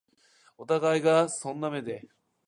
お互いがそんな目で